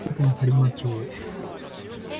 兵庫県播磨町